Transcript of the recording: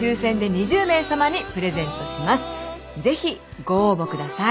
［ぜひご応募ください］